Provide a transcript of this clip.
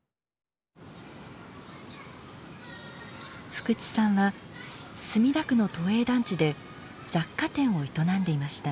福地さんは墨田区の都営団地で雑貨店を営んでいました。